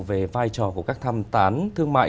về vai trò của các tham tán thương mại